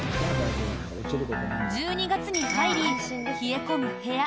１２月に入り、冷え込む部屋。